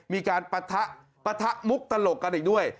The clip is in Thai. ปะทะมุกตลกกันอีกด้วย